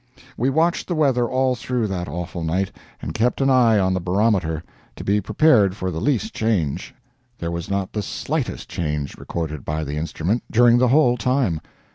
We watched the weather all through that awful night, and kept an eye on the barometer, to be prepared for the least change. There was not the slightest change recorded by the instrument, during the whole time.